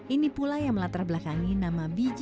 ini pula yang melatar belakangi nama bantar gebang